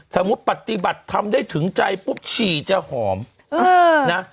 สมมุติปฏิบัติทำได้ถึงใจปุ๊บฉี่จะหอมนะ